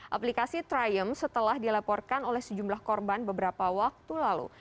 aplikasi trium setelah dilaporkan oleh sejumlah korban beberapa waktu lalu